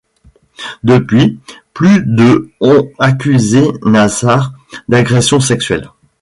Depuis, plus de ont accusé Nassar d'agressions sexuelles.